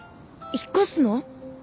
引っ越すの？